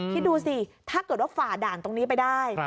คิดดูสิถ้าเกิดว่าฝ่าด่านตรงนี้ไปได้